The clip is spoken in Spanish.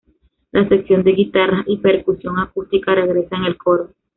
La sección de guitarras y percusión acústica regresa en el coro.